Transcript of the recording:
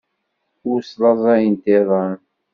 Ur slaẓayent iḍan.